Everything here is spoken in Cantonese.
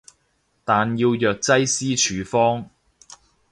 但要藥劑師處方